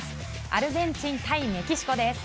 アルゼンチン対メキシコです。